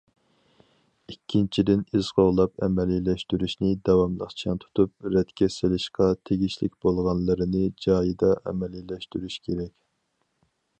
ئىككىنچىدىن، ئىز قوغلاپ ئەمەلىيلەشتۈرۈشنى داۋاملىق چىڭ تۇتۇپ، رەتكە سېلىشقا تېگىشلىك بولغانلىرىنى جايىدا ئەمەلىيلەشتۈرۈش كېرەك.